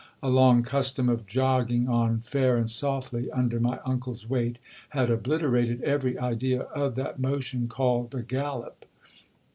A long custom of jogging on fair and softly under my uncle's weight had obliterated every idea of that motion called a gallop.